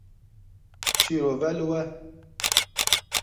Şîrove li we.